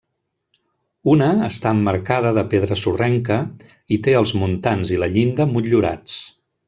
Una està emmarcada de pedra sorrenca i té els muntants i la llinda motllurats.